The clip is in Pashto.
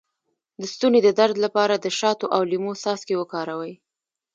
د ستوني د درد لپاره د شاتو او لیمو څاڅکي وکاروئ